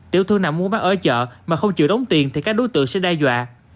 tiểu thương nào muốn bán ở chợ mà không chịu đóng tiền thì các đối tượng sẽ đe dọa